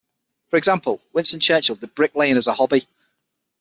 For example, Winston Churchill did bricklaying as a hobby.